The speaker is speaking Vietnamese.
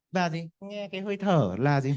và nghe cái hơi thở là gì